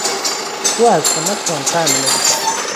او از شما تندتر مینویسد.